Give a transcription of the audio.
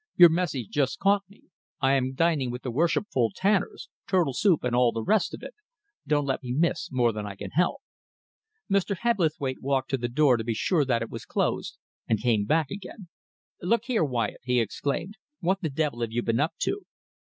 "Your message just caught me. I am dining with the worshipful tanners turtle soup and all the rest of it. Don't let me miss more than I can help." Mr. Hebblethwaite walked to the door to be sure that it was closed and came back again. "Look here, Wyatt," he exclaimed, "what the devil have you been up to?"